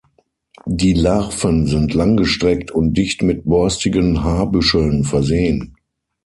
Die Larven sind langgestreckt und dicht mit borstigen Haarbüscheln versehen.